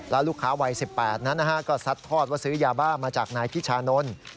แล้วลูกค้าวัย๑๘นั้นก็ซัดทอดว่าซื้อยาบ้ามาจากนายพิชานนท์